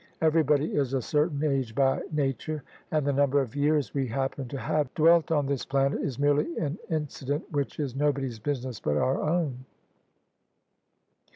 Everybody is a certain age by nature; and the number of years we happen to have dwelt on this planet is merely an incident which is nobody's business but our own.